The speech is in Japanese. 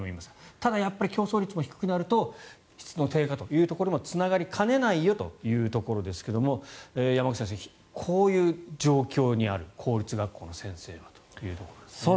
ただ、競争率も低くなると質の低下につながりかねないよということですが山口先生、こういう状況にある公立学校の先生というところですね。